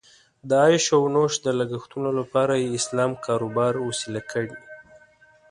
د عیش او نوش د لګښتونو لپاره یې اسلام کاروبار وسیله کړې.